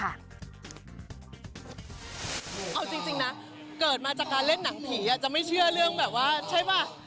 เอาจริงนะเกิดมาจากการเล่นหนังผีจะไม่เชื่อเรื่องแบบว่าใช่ป่ะ